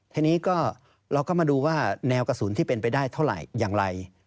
ทีนี้ก็เราก็มาดูว่าแนวกระสุนที่เป็นไปได้เท่าไหร่อย่างไร